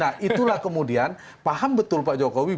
paham betul pak jokowi bahwa yang bisa membuat kompetisi